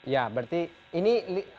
ya berarti ini